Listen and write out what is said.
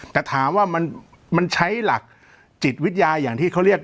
แต่ถามว่ามันใช้หลักจิตวิทยาอย่างที่เขาเรียก